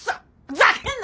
ざけんな！